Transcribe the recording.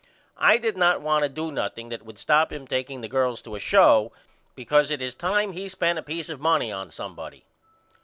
And I did not want to do nothing that would stop him takeing the girls to a show because it is time he spent a peace of money on somebody.